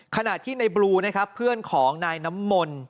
ขณะที่ในบลูนะครับเพื่อนของนายน้ำมนต์